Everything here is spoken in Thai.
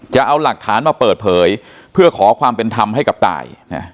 จะเอาหลักฐานมาเปิดเผยเพื่อขอความเป็นธรรมให้กับตาย